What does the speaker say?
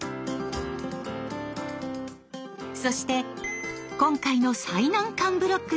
そして今回の最難関ブロックになる